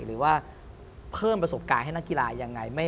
หรือว่าเพิ่มประสบการณ์ให้นักกีฬายังไง